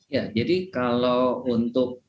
ya jadi kalau untuk